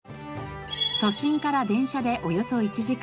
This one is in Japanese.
都心から電車でおよそ１時間。